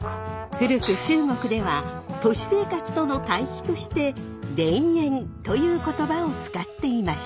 古く中国では都市生活との対比として「田園」という言葉を使っていました。